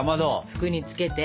服につけて。